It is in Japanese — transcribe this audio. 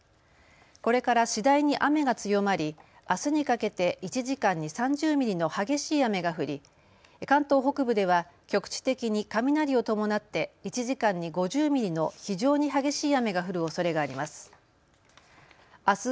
これから次第に雨が強まりあすにかけて１時間に３０ミリの激しい雨が降り関東北部では局地的に雷を伴って１時間に５０ミリの非常に激しい雨が降るおそれがあります。